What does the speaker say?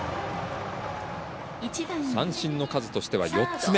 三振の数としては４つ目。